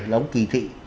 là ông kỳ thị